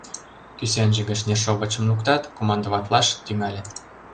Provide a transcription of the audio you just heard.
Кӱсенже гыч нершовычым луктат, командоватлаш тӱҥале.